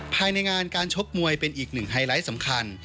ภายในงานการชกมวยเป็นอีกหนึ่งไฮไลท์สำคัญ